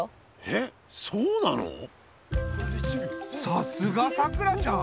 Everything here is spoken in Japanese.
さすがさくらちゃん。